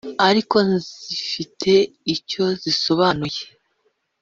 ariko zifite icyo zisobanuye,